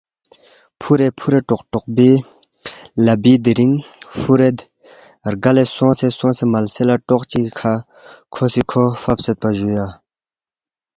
فُورے فُورے ٹوق ٹوقبی لہ لبی رِینگ فرید رگلے سونگسے سونگسے ملسے لہ ٹوق چگی کھہ کھو سی کھو فَبیدپا جُویا